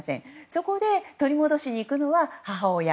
そこで取り戻しに行くのは母親